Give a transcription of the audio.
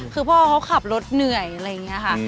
คือพ่อเขาขับรถเหนื่อยอะไรอย่างนี้ค่ะ